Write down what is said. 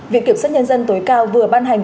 viện kiểm sát nhân dân tối cao vừa ban hành